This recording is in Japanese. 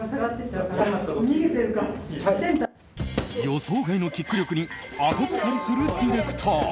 予想外のキック力に後ずさりするディレクター。